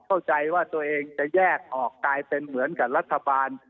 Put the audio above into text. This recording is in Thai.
เข้าใจว่าตัวเองจะแยกออกกลายเป็นเหมือนกับรัฐบาล